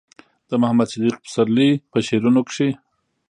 د محمد صديق پسرلي په شعرونو کې